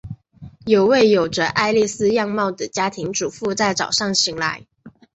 有位有着艾莉丝样貌的家庭主妇在早上醒来。